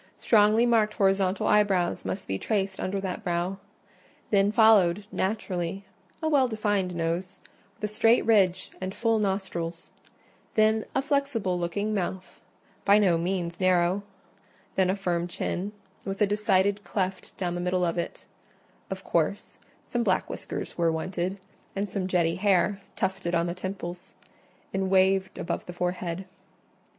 Strongly marked horizontal eyebrows must be traced under that brow; then followed, naturally, a well defined nose, with a straight ridge and full nostrils; then a flexible looking mouth, by no means narrow; then a firm chin, with a decided cleft down the middle of it: of course, some black whiskers were wanted, and some jetty hair, tufted on the temples, and waved above the forehead.